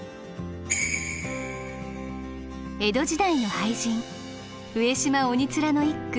江戸時代の俳人上島鬼貫の一句。